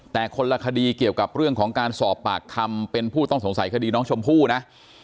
แต่คนละคดีเกี่ยวกับเรื่องของการสอบปากคำเป็นผู้ต้องสงสัยคดีน้องชมพู่นะ